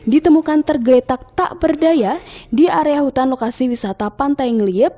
ditemukan tergeletak tak berdaya di area hutan lokasi wisata pantai ngeliep